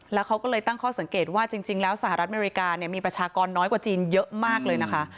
แล้วเขาก็เลยตั้งข้อสังเกตว่าจริงแล้วสหรัฐอเมริกาเนี่ยมีประชากรน้อยกว่าจีนเยอะมากเลยนะคะ